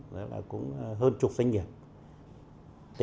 đó là cũng hơn chục doanh nghiệp